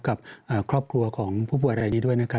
กับครอบครัวของผู้ป่วยรายนี้ด้วยนะครับ